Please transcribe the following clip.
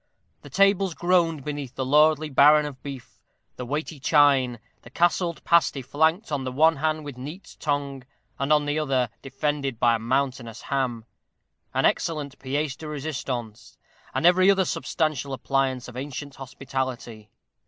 The tables groaned beneath the lordly baron of beef, the weighty chine, the castled pasty flanked on the one hand with neat's tongue, and on the other defended by a mountainous ham, an excellent pièce de résistance, and every other substantial appliance of ancient hospitality.